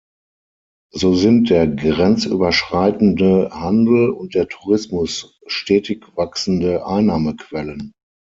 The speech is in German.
So sind der grenzüberschreitende Handel und der Tourismus stetig wachsende Einnahmequellen.